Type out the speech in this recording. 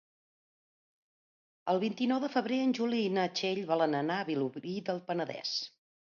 El vint-i-nou de febrer en Juli i na Txell volen anar a Vilobí del Penedès.